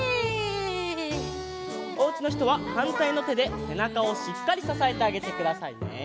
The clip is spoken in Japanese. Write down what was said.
おうちのひとははんたいのてでせなかをしっかりささえてあげてくださいね。